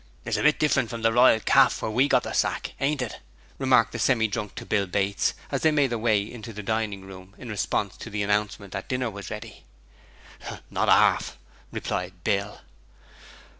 'It's a bit differint from the Royal Caff, where we got the sack, ain't it?' remarked the Semi drunk to Bill Bates as they made their way to the dining room in response to the announcement that dinner was ready. 'Not arf!' replied Bill.